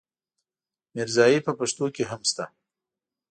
ميرزايي په پښتو کې هم شته.